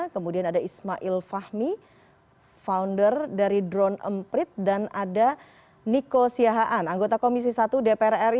kemudian ada ismail fahmi founder dari drone emprit dan ada niko siahaan anggota komisi satu dpr ri